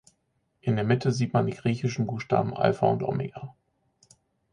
In der Mitte sieht man die griechischen Buchstaben Alpha und Omega.